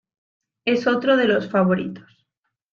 Es otro de los "favoritos".